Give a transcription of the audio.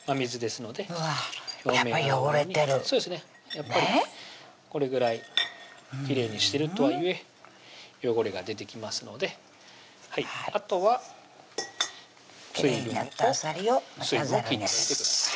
やっぱりこれぐらいきれいにしてるとはいえ汚れが出てきますのであとは水分を水分を切っといてください